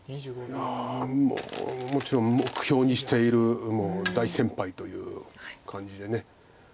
いやもちろん目標にしているもう大先輩という感じで。